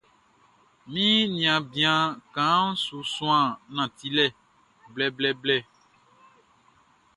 Mi niaan bian kaanʼn su suan nantilɛ blɛblɛblɛ.